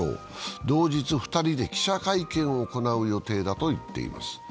同日、２人で記者会見を行う予定だと言っています。